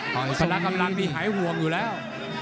อิสระกำลังนี่หายห่วงอยู่แล้ว